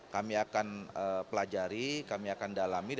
kami akan pelajari kami akan dalami